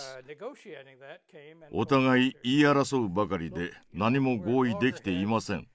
「お互い言い争うばかりで何も合意できていません。